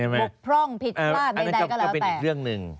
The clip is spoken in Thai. บกพร่องผิดลาดใดก็แล้วแต่